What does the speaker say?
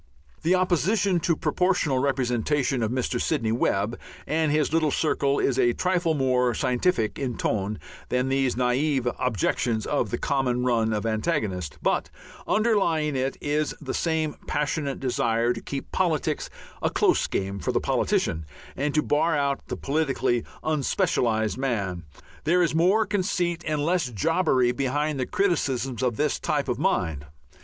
The opposition to Proportional Representation of Mr. Sidney Webb and his little circle is a trifle more "scientific" in tone than these naive objections of the common run of antagonist, but underlying it is the same passionate desire to keep politics a close game for the politician and to bar out the politically unspecialized man. There is more conceit and less jobbery behind the criticisms of this type of mind.